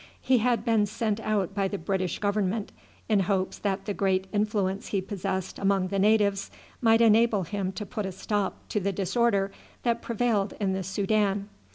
He had been sent out by the British government in hopes that the great influence he possessed among the natives might enable him to put a stop to the disorder that prevailed in the Soudan.